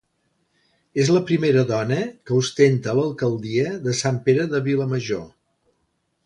És la primera dona que ostenta l'alcaldia de Sant Pere de Vilamajor.